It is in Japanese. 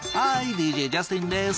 ＤＪジャスティンです。